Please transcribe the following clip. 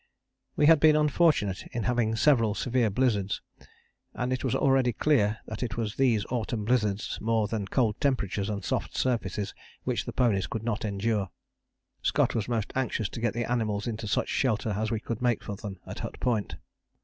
We had been unfortunate in having several severe blizzards, and it was already clear that it was these autumn blizzards more than cold temperatures and soft surfaces which the ponies could not endure. Scott was most anxious to get the animals into such shelter as we could make for them at Hut Point.